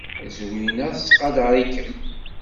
Zwina tettqadar-ikem.